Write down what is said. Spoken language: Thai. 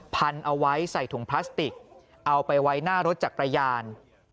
พันเอาไว้ใส่ถุงพลาสติกเอาไปไว้หน้ารถจักรยาน